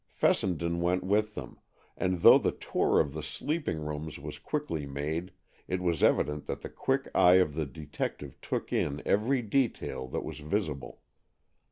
Fessenden went with them, and though the tour of the sleeping rooms was quickly made, it was evident that the quick eye of the detective took in every detail that was visible.